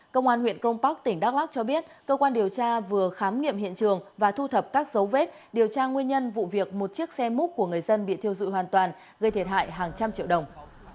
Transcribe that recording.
công an huyện cronpark tỉnh đắk lắc cho biết cơ quan điều tra vừa khám nghiệm hiện trường và thu thập các dấu vết điều tra nguyên nhân vụ việc một chiếc xe múc của người dân bị thiêu dụi hoàn toàn gây thiệt hại hàng trăm triệu đồng